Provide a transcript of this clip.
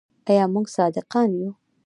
آیا موږ صادقان یو؟